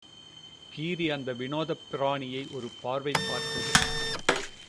கீரி அந்த விநோதப் பிராணியை ஒரு பார்வை பார்த்தது.